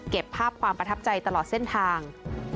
ภาพความประทับใจตลอดเส้นทาง